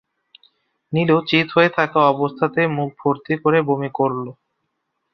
নীলু চিৎ হয়ে থাকা অবস্থাতেই মুখ ভর্তি করে বমি করল।